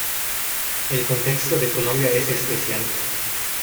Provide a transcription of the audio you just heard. El contexto de Colombia es especial.